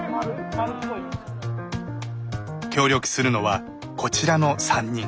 協力するのはこちらの３人。